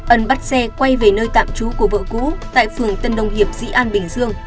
ân bắt xe quay về nơi tạm trú của vợ cũ tại phường tân đồng hiệp dĩ an bình dương